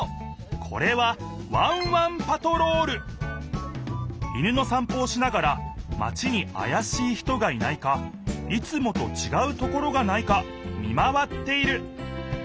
これは犬のさん歩をしながらマチにあやしい人がいないかいつもとちがうところがないか見回っている。